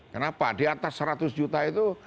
kenapa diatas seratus juta itu